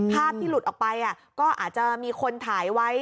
ภาพที่หลุดออกไปก็อาจจะมีคนถ่ายไว้